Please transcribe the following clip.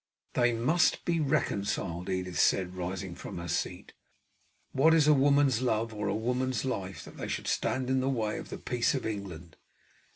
"They must be reconciled!" Edith said, rising from her seat. "What is a woman's love or a woman's life that they should stand in the way of the peace of England?